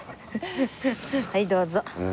はいどうぞ。